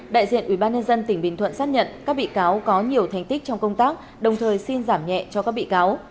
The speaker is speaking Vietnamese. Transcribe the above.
đại diện ubnd tỉnh bình thuận xác nhận các bị cáo có nhiều thành tích trong công tác đồng thời xin giảm nhẹ cho các bị cáo